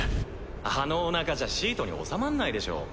あのおなかじゃシートに収まんないでしょ。